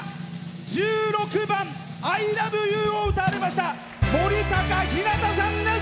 １６番「ＩＬＯＶＥＹＯＵ」を歌われましたもりたかさんです。